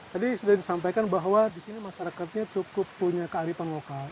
tadi sudah disampaikan bahwa di sini masyarakatnya cukup punya kearifan lokal